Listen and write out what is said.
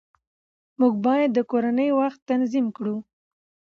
موږ باید د کورنۍ وخت تنظیم کړو